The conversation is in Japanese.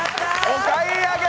お買い上げ！